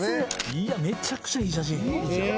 いやめちゃくちゃいい写真。